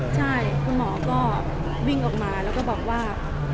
ใช่คุณหมอก็วิ่งออกมาแล้วก็บอกว่า